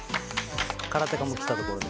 空手家も来たところで。